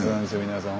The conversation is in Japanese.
皆さん